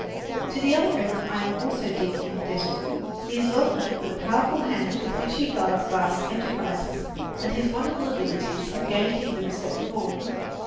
To the other friend I am also deeply indebted. He is well known for the powerful hand with which he guides vast enterprises, and his wonderful abilities have gained for him the respect of all.